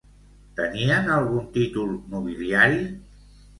Tenien algun títol nobiliari?